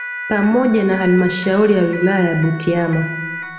Pamoja na halmashauri ya wilaya ya Butiama